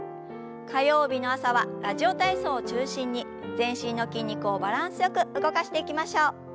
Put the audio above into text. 火曜日の朝は「ラジオ体操」を中心に全身の筋肉をバランスよく動かしていきましょう。